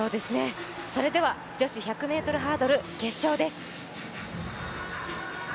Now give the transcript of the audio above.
それでは女子１００ｍハードル決勝です。